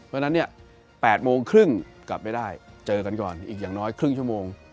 เพราะฉะนั้นเนี่ย๘โมงครึ่งกลับไม่ได้เจอกันก่อนอีกอย่างน้อยครึ่งชั่วโมง